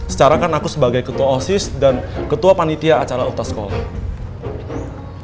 sekarang kan aku sebagai ketua osis dan ketua panitia acara ultas sekolah